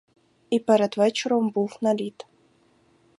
І перед вечором був наліт.